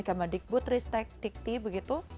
kementerian dikbut ristek dikti